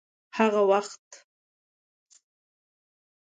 هغه وخت